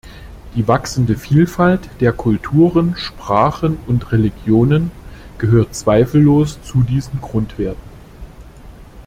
Die wachsende Vielfalt der Kulturen, Sprachen und Religionen gehört zweifellos zu diesen Grundwerten.